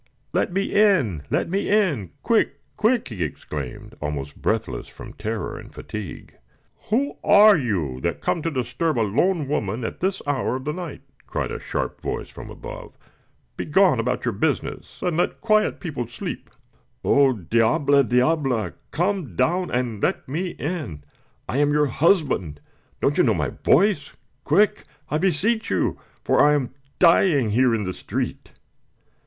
"Let me in! let me in! Quick! quick!" he exclaimed, almost breathless from terror and fatigue. "Who are you, that come to disturb a lone woman at this hour of the night?" cried a sharp voice from above. "Begone about your business, and let quiet people sleep." "Oh, diable, diable! Come down and let me in! I am your husband. Don't you know my voice? Quick, I beseech you; for I am dying here in the street!"